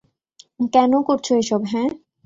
কেন করছো এসব, হ্যাঁ?